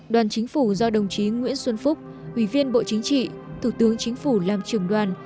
đoàn chính phủ do đồng chí nguyễn xuân phúc ủy viên bộ chính trị thủ tướng chính phủ làm trường đoàn